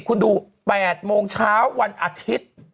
คุณดู๘โมงเช้าวันอาทิตย์